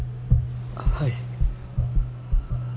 はい。